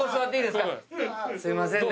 すいませんね。